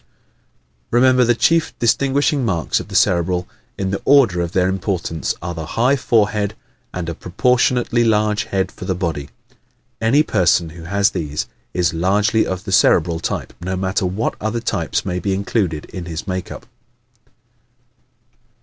_Remember, the chief distinguishing marks of the Cerebral, in the order of their importance, are the HIGH FOREHEAD and a PROPORTIONATELY LARGE HEAD FOR THE BODY. Any person who has these is largely of the Cerebral type no matter what other types may be included in his makeup.